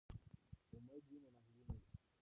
که امید وي نو ناهیلي نه وي.